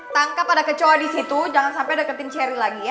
tangkap ada kecoa di situ jangan sampai ada ketim cherry lagi ya